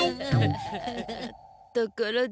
ところで。